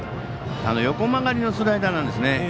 横曲がりのスライダーなんですね。